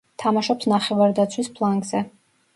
თამაშობს ნახევარდაცვის ფლანგზე.